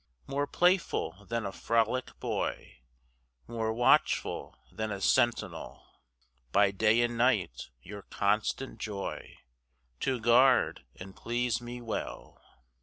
More playful than a frolic boy, More watchful than a sentinel, By day and night your constant joy To guard and please me well.